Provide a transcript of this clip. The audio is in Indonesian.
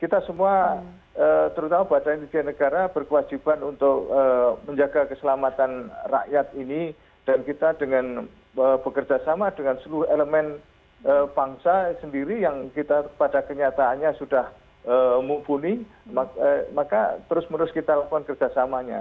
kita semua terutama badan intelijen negara berkewajiban untuk menjaga keselamatan rakyat ini dan kita dengan bekerjasama dengan seluruh elemen bangsa sendiri yang kita pada kenyataannya sudah mumpuni maka terus menerus kita lakukan kerjasamanya